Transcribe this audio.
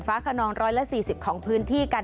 ฮัลโหล